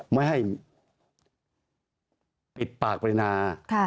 ไม่ให้ปิดปากปรินา